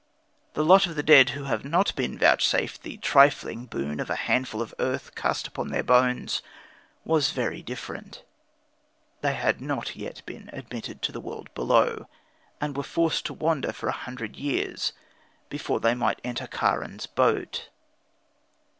The lot of the dead who have not been vouchsafed the trifling boon of a handful of earth cast upon their bones was very different. They had not yet been admitted to the world below, and were forced to wander for a hundred years before they might enter Charon's boat.